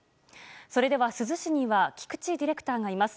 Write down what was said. それでは珠洲市には菊地ディレクターがいます。